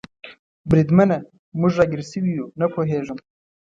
بریدمنه، موږ را ګیر شوي یو؟ نه پوهېږم.